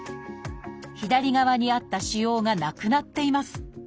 左側にあった腫瘍がなくなっています。